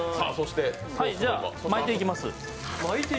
巻いていきます。